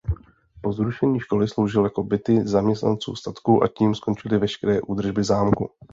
Po zrušení školy sloužil jako byty zaměstnanců statku a tím skončily veškeré údržby zámku.